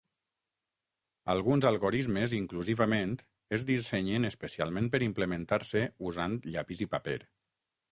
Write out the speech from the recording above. Alguns algorismes inclusivament es dissenyen especialment per implementar-se usant llapis i paper.